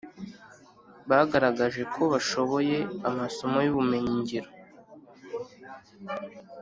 bagaragaje ko bashoboye amasomo y’ubumenyi ngiro